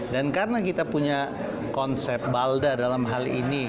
dan karena kita punya konsep balda dalam hal ini